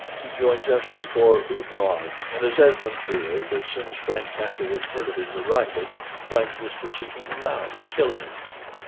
He joined just before Oudenarde; and, as Esmond feared, as soon as Frank Castlewood heard of his arrival, Frank was for seeking him out, and killing him.